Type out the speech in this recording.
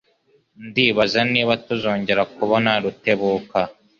Ndibaza niba tuzongera kubona Rutebuka.